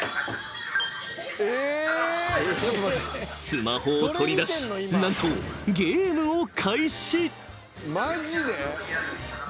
［スマホを取り出し何とゲームを開始］